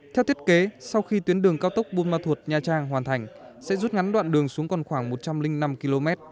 theo thiết kế sau khi tuyến đường cao tốc buôn ma thuột nha trang hoàn thành sẽ rút ngắn đoạn đường xuống còn khoảng một trăm linh năm km